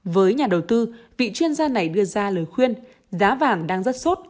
với nhà đầu tư vị chuyên gia này đưa ra lời khuyên giá vàng đang rất sốt